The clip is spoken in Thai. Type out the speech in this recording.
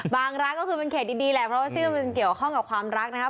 รักก็คือเป็นเขตดีแหละเพราะว่าชื่อมันเกี่ยวข้องกับความรักนะครับ